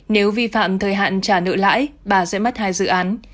nếu vi phạm thời hạn trả nợ lãi bà sẽ mất hai dự án